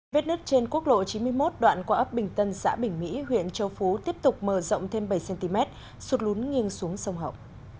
vết nứt trên quốc lộ chín mươi một đoạn qua ấp bình tân xã bình mỹ huyện châu phú tiếp tục mở rộng thêm bảy cm sụt lún nghiêng xuống sông hậu